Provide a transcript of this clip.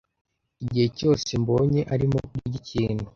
Igihe cyose mbonye , arimo kurya ikintu.